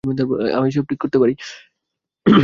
আমি এসব ঠিক করতে পারি।